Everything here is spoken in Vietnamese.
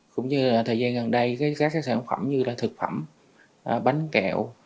cũng như thời gian gần đây các sản phẩm như là thực phẩm bánh kẹo